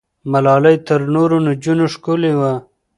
ملالۍ تر نورو نجونو ښکلې وه.